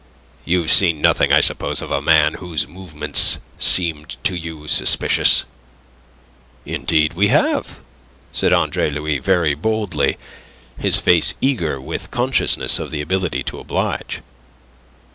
You've seen nothing, I suppose, of a man whose movements seemed to you suspicious?" "Indeed, we have," said Andre Louis, very boldly, his face eager with consciousness of the ability to oblige.